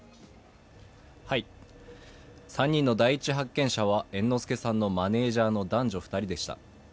３人の第一発見者は猿之助さんのマネージャーの男女２人でした。